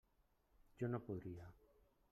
Jo no podria.